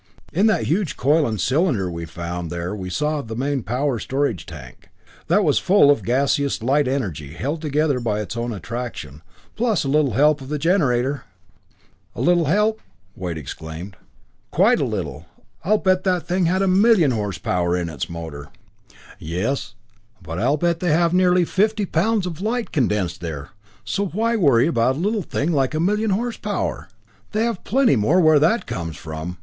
"In that huge coil and cylinder we found there we saw the main power storage tank. That was full of gaseous light energy held together by its own attraction, plus a little help of the generator!" "A little help?" Wade exclaimed. "Quite a little! I'll bet that thing had a million horsepower in its motor!" "Yes but I'll bet they have nearly fifty pounds of light condensed there so why worry about a little thing like a million horsepower? They have plenty more where that comes from.